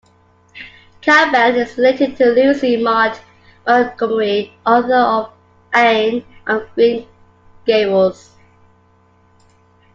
Campbell is related to Lucy Maud Montgomery, author of Anne of Green Gables.